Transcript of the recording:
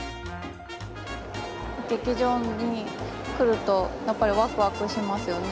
劇場に来るとやっぱりワクワクしますよね。